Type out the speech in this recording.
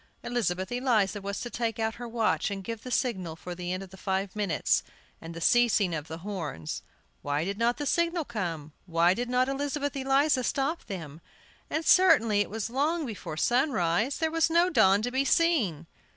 Elizabeth Eliza was to take out her watch and give the signal for the end of the five minutes, and the ceasing of the horns. Why did not the signal come? Why did not Elizabeth Eliza stop them? And certainly it was long before sunrise; there was no dawn to be seen!